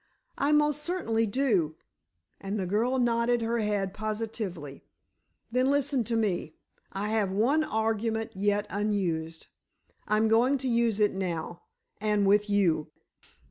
"I most certainly do," and the girl nodded her head positively. "Then listen to me. I have one argument yet unused. I'm going to use it now. And with you."